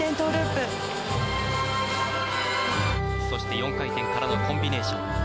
そして４回転からのコンビネーション。